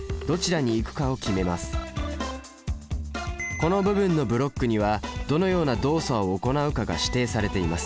この部分のブロックにはどのような動作を行うかが指定されています。